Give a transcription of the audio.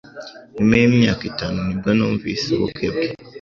Nyuma yimyaka itanu nibwo numvise ubukwe bwe